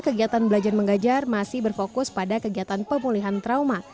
kegiatan belajar mengajar masih berfokus pada kegiatan pemulihan trauma